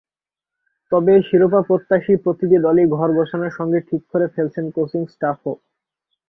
তবে শিরোপাপ্রত্যাশী প্রতিটি দলই ঘর গোছানোর সঙ্গে ঠিক করে ফেলছেন কোচিং স্টাফও।